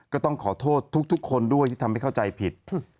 ก็ต้องขอโทษทุกคนด้วยที่ทำให้เข้าใจผิด